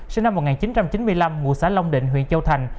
sinh năm một nghìn chín trăm chín mươi năm ngụ xã long định huyện châu thành